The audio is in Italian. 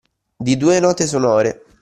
Di due note sonore